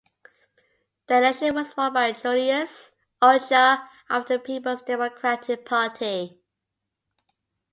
The election was won by Julius Ucha of the Peoples Democratic Party.